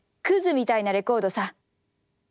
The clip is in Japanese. クズみたいなレコードさ」。